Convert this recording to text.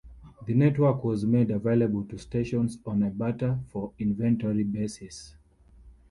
The network was made available to stations on a barter-for-inventory basis.